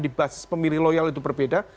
di basis pemilih loyal itu berbeda